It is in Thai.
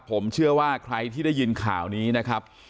ผมเชื่อว่าใครที่ได้ยินข่าวนี้นะครับ